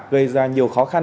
gây ra nhiều khó khăn